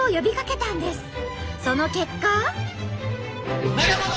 その結果。